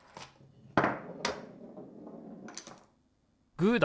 グーだ！